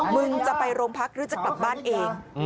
มึงจะไปโรงพักหรือจะกลับบ้านเอง